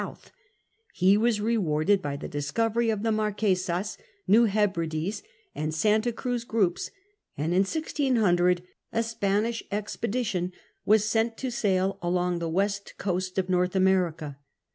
Ho was rewarded by the discovery of the Marquesas, New Hebrides, and Santa Cruz groups, and in 1600 a Spanish expedition was sent to sail along the west coast of North America.